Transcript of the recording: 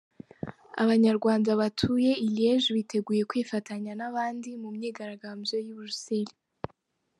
Abanyarwanda batuye i Liege biteguye kwifatanya n’abandi mu myigaragambyo y’ i Buruseli